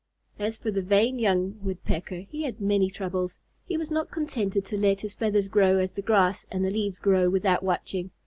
As for the vain young Woodpecker, he had many troubles. He was not contented to let his feathers grow as the grass and the leaves grow, without watching.